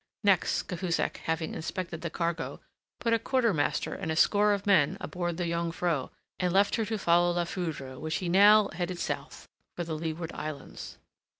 Next, Cahusac having inspected the cargo, put a quartermaster and a score of men aboard the Jongvrow, and left her to follow La Foudre, which he now headed south for the Leeward Islands.